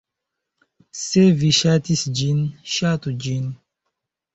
Se vi ŝatis ĝin, ŝatu ĝin!